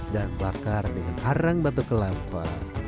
dan bakar dengan arang batuk kelapa